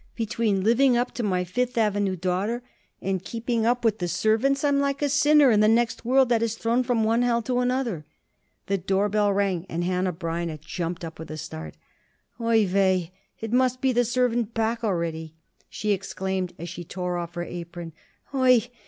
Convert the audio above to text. Between living up to my Fifth Avenue daughter and keeping up with the servants I am like a sinner in the next world that is thrown from one hell to another." The door bell rang, and Hanneh Breineh jumped up with a start. "Oi weh! it must be the servant back already!" she exclaimed as she tore off her apron. "_Oi weh!